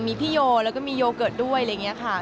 มีพี่โยแล้วก็มีโยเกิร์ตด้วยอะไรอย่างนี้ค่ะ